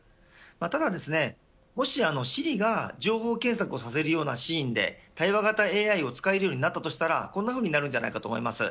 ただもしＳｉｒｉが情報検索をさせるようなシーンで対話型ＡＩを使えるようになったとしたら、こんなふうになるかと思います。